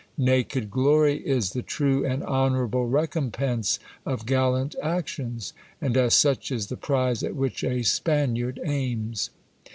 Naked glory is the true and hon ourable recompense of gallant actions, and as such is the prize at which a Spaniard aims.